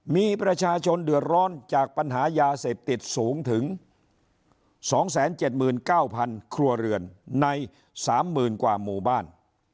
มีประชาชนเดือดร้อนจากปัญหายาเสพติดสูงถึง๒๗๙๐๐ครัวเรือนใน๓๐๐๐กว่าหมู่บ้าน